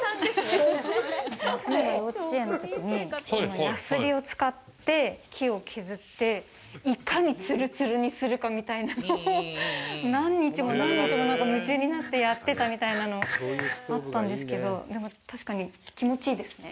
娘が幼稚園のときにやすりを使って木を削っていかにつるつるにするかみたいなのを何日も何日も夢中になってやってたみたいなのあったんですけど